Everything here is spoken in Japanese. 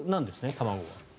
卵は。